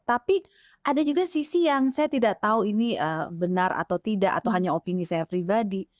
tapi ada juga sisi yang saya tidak tahu ini benar atau tidak atau hanya opini saya pribadi